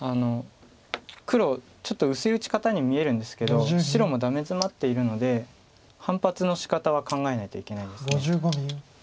黒ちょっと薄い打ち方に見えるんですけど白もダメヅマっているので反発のしかたは考えないといけないです。